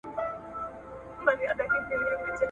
د ابدالیانو د کورنيو ترمنځ واک لاس په لاس کېده.